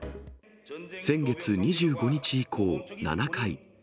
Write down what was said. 先月２５日以降７回。